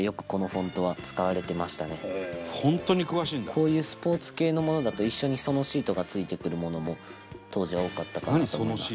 こういうスポーツ系のものだと一緒にソノシートがついてくるものも当時は多かったかなと思います。